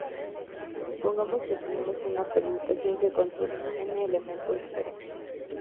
Supongamos que tenemos una permutación que contiene N elementos diferentes.